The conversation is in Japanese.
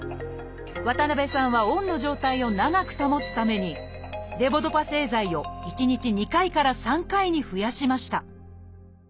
渡辺さんはオンの状態を長く保つためにレボドパ製剤を１日２回から３回に増やしました